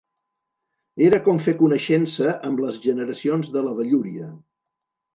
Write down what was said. Era com fer coneixença amb les generacions de la vellúria